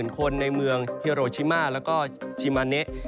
๒๐๐๐๐คนในเมืองเฮโรชิม่าและชิมาเนะ